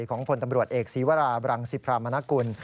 ของผลตำรวจเอกศีวราบรังสิพรามนกุล